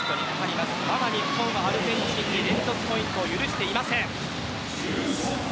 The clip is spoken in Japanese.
まだ日本はアルゼンチンに連続ポイントを許していません。